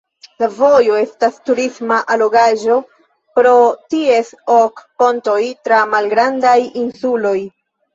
La vojo estas turisma allogaĵo pro ties ok pontoj tra malgrandaj insuloj.